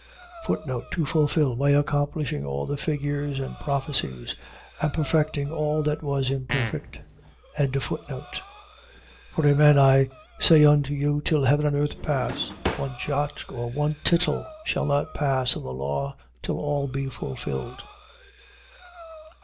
To fulfil. . .By accomplishing all the figures and prophecies; and perfecting all that was imperfect. 5:18. For amen I say unto you, till heaven and earth pass, one jot, or one tittle shall not pass of the law, till all be fulfilled.